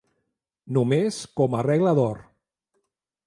Només com a regla d'or.